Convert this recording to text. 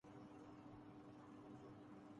کیونکہ معاشرے کو خطرے میں نہیں ڈال سکتے۔